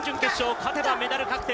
勝てばメダル確定。